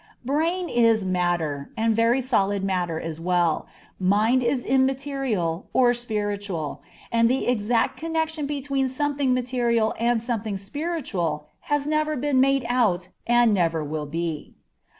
Brain is matter, and very solid matter as well, mind is immaterial, or spiritual, and the exact connection between something material and something spiritual has never been made out and never will be.